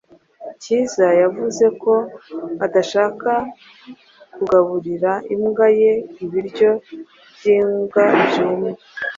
Cyiza yavuze ko adashaka kugaburira imbwa ye ibiryo byimbwa byumye.